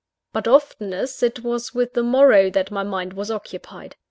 But oftenest it was with the morrow that my mind was occupied.